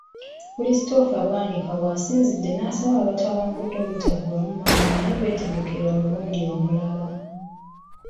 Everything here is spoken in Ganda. Christopher Bwanika w'asinzidde n'asaba abatawangudde obutaggwaamu maanyi naye beetegekere omulundu omulala.